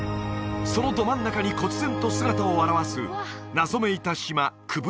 そのど真ん中にこつ然と姿を現す謎めいた島クブ